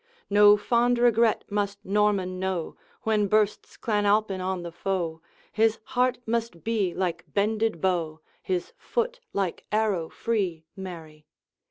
No fond regret must Norman know; When bursts Clan Alpine on the foe, His heart must be like bended bow, His foot like arrow free, Mary.